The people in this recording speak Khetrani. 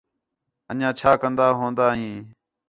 انجیاں چھا کندہ ہوندا ھیں